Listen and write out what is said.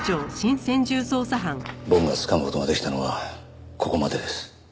僕がつかむ事ができたのはここまでです。